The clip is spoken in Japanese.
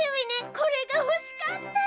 これがほしかったの。